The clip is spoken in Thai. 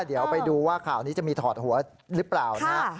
เดี๋ยวไปดูว่าข่าวนี้จะมีถอดหัวหรือเปล่านะฮะ